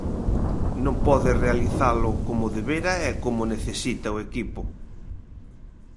Non pode realizado como debera e como necesita o equipo.